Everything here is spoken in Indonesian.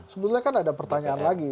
sebetulnya kan ada pertanyaan lagi